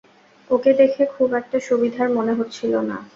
ওকে দেখে খুব একটা সুবিধার মনে হচ্ছিল না।